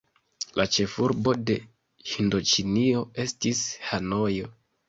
La ĉefurbo de Hindoĉinio estis Hanojo.